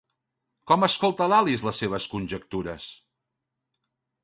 Com escolta l'Alice les seves conjectures?